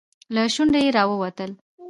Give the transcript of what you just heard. له شونډو يې راووتل.